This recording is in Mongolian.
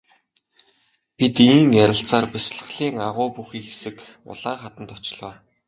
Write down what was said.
Бид ийн ярилцсаар бясалгалын агуй бүхий хэсэг улаан хаданд очлоо.